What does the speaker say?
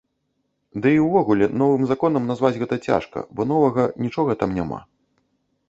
Ды і ўвогуле, новым законам назваць гэта цяжка, бо новага нічога там няма.